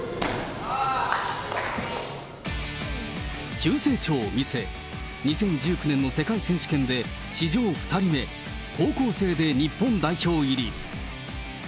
急成長を見せ、２０１９年の世界選手権で、史上２人目、高校生で日本代表入り。